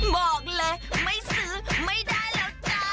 บอกเลยไม่ซื้อไม่ได้แล้วจ้า